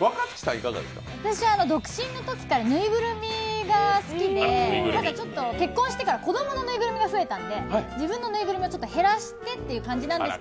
私独身のときからぬいぐるみが好きで結婚してから子供のぬいぐるみが増えたんで、自分のぬいぐるみを減らしてって感じなんです。